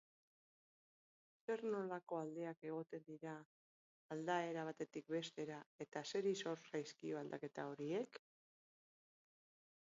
Zer-nolako aldeak egoten dira aldaera batetik bestera eta zeri zor zaizkio aldaketa horiek?